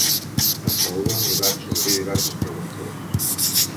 A Feluda li van sorgir diverses preguntes.